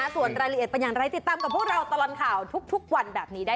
ส่วนรายละเอียดให้ติดตามคู่พวกเราตลอดข่าวทุกวันได้นะ